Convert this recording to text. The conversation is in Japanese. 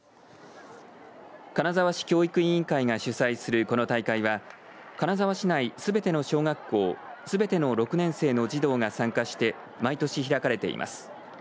金沢市教育委員会が主催するこの大会は金沢市内すべての小学校すべての６年生の児童が参加して毎年、開かれています。